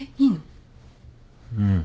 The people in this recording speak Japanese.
うん。